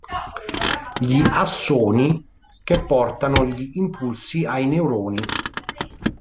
Gli assoni, che portano gli impulsi ai neuroni.